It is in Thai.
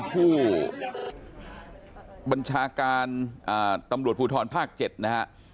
ผู้บัญชาการตำรวจภูทรภาค๗นะฮะ